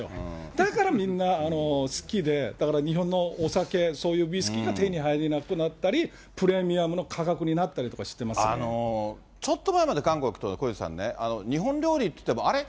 だから、みんな、好きで、だから日本のお酒、そういうウイスキーが手に入らなくなったり、プレミアムの価格になったりとかしてまちょっと前まで韓国というと、小西さんね、日本料理っていっても、あれ？